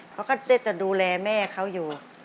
เขาก็ได้จะดูแลแม่เขาอยู่